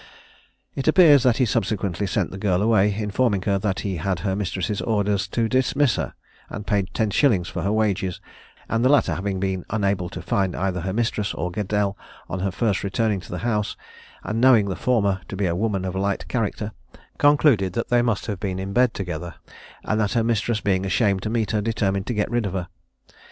It appears that he subsequently sent the girl away, informing her that he had her mistress's orders to dismiss her, and paid ten shillings for her wages; and the latter having been unable to find either her mistress or Gardelle on her first returning to the house, and knowing the former to be a woman of light character, concluded that they must have been in bed together, and that her mistress being ashamed to meet her, determined to get rid of her.